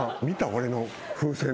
俺の風船。